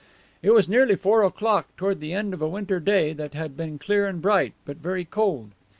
It was nearly four o'clock, toward the end of a winter day that had been clear and bright, but very cold.